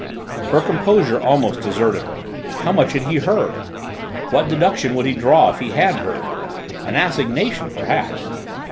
Her composure almost deserted her. How much had he heard? What deduction would he draw if he had heard? An assignation, perhaps!